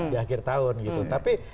di akhir tahun tapi